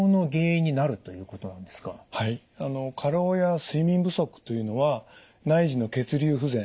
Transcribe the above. あの過労や睡眠不足というのは内耳の血流不全